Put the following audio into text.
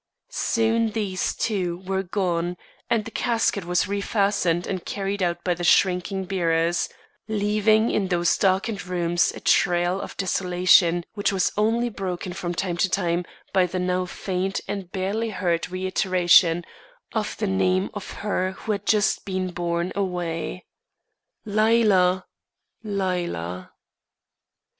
Soon these, too, were gone, and the casket was refastened and carried out by the shrinking bearers, leaving in those darkened rooms a trail of desolation which was only broken from time to time by the now faint and barely heard reiteration of the name of her who had just been borne away! "Lila! Lila!"